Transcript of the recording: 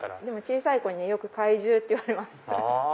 でも小さい子によく怪獣って言われます。